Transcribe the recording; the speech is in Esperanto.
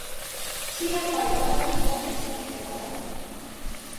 Ŝia baldaŭa vivo estas nekonata.